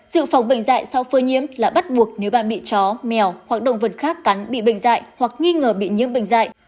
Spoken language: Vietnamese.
sự phòng bệnh dạy sau phơi nhiễm là bắt buộc nếu bạn bị chó mèo hoặc động vật khác cắn bị bệnh dạy hoặc nghi ngờ bị nhiễm bệnh dạy